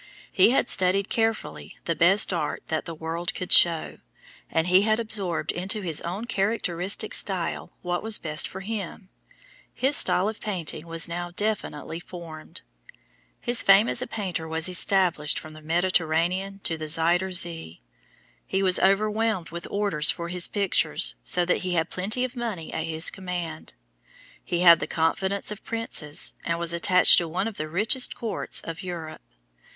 He had studied carefully the best art that the world could show, and he had absorbed into his own characteristic style what was best for him his style of painting was now definitely formed. His fame as a painter was established from the Mediterranean to the Zuyder Zee. He was overwhelmed with orders for his pictures, so that he had plenty of money at his command. He had the confidence of princes, and was attached to one of the richest courts of Europe.